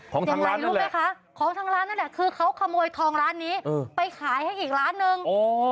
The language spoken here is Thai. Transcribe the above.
ยังไงรู้ไหมคะของทางร้านนั่นแหละคือเขาขโมยทองร้านนี้ไปขายให้อีกร้านนึง